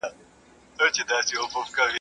برگ سپى د چغال ورور دئ.